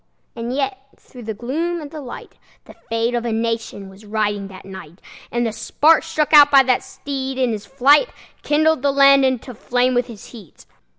And yet, through the gloom and the light, The fate of a nation was riding that night; And the spark struck out by that steed, in his flight, Kindled the land into flame with its heat.